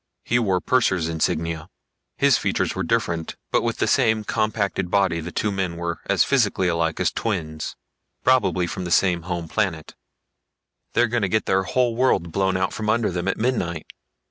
He wore purser's insignia. His features were different, but with the same compacted body the two men were as physically alike as twins. Probably from the same home planet. "They're gonna get their whole world blown out from under them at midnight.